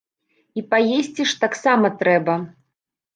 І паесці ж таксама трэба.